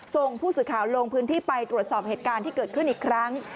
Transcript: ส่งผู้สื่อข่าวลงพื้นที่ไปตรวจสอบเหตุการณ์ที่เกิดขึ้นอีกครั้ง